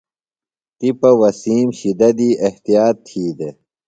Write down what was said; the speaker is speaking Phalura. تِپہ وسیم شِدہ دی احتیاط تھی دےۡ۔